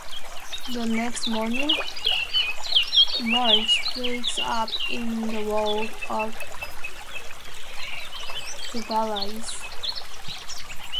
The next morning, Marche wakes up in the world of Ivalice.